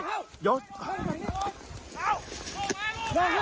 ลดเลย